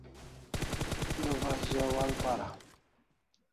Du bas za wa'al para